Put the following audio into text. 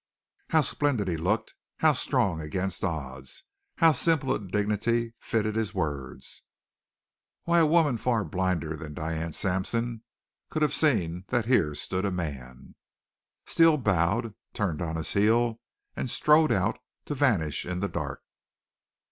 How splendid he looked, how strong against odds. How simple a dignity fitted his words. Why, a woman far blinder than Diane Sampson could have seen that here stood a man. Steele bowed, turned on his heel, and strode out to vanish in the dark.